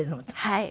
はい。